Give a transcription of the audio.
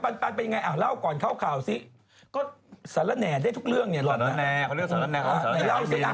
อย่างงี้ผมก็ไม่กล้ากิน